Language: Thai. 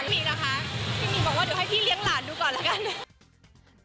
หิงนะคะพี่หมี่บอกว่าเดี๋ยวให้พี่เลี้ยงหลานดูก่อนแล้วกัน